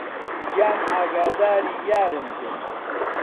گیان ئاگادری یارم بی